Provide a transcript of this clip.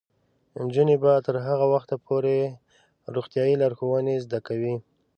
نجونې به تر هغه وخته پورې روغتیايي لارښوونې زده کوي.